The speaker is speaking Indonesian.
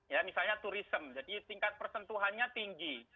ya misalnya turism jadi tingkat persentuhannya tinggi